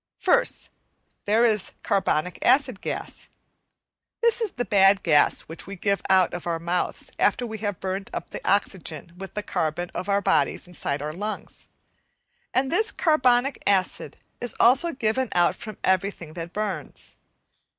First, there is carbonic acid gas. This is the bad gas which we give out of our mouths after we have burnt up the oxygen with the carbon of our bodies inside our lungs; and this carbonic acid is also given out from everything that burns.